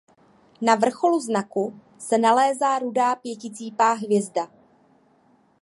Na vrcholu znaku se nalézá rudá pěticípá hvězda.